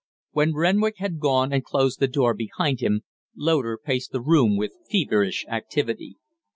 When Renwick had gone and closed the door behind him, Loder paced the room with feverish activity.